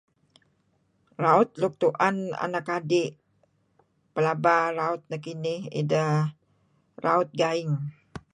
Raut nuk tuen anak adi' pelaba raut nekinih ideh raut gaing.